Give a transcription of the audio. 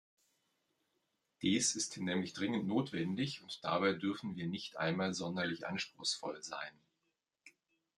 Dies ist nämlich dringend notwendig, und dabei dürfen wir nicht einmal sonderlich anspruchsvoll sein.